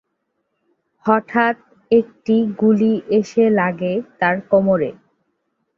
হঠাৎ একটা গুলি এসে লাগে তার কোমরে।